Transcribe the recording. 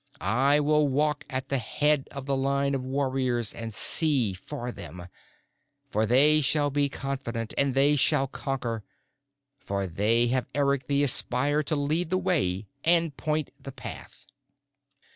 I will walk at the head of the line of warriors and see for them, And they shall be confident and they shall conquer For they have Eric the Espier to lead the way and point the path!